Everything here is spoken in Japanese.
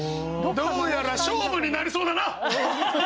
どうやら勝負になりそうだな！